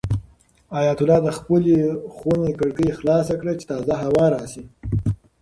حیات الله د خپلې خونې کړکۍ خلاصه کړه چې تازه هوا راشي.